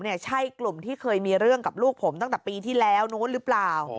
ใช่กลุ่มที่เคยมีเรื่องกับลูกผมตั้งแต่ปีที่แล้วนู้นหรือเปล่า